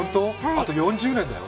あと４０年だよ。